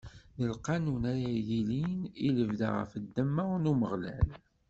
D lqanun ara yilin i lebda ɣef ddemma n Umeɣlal.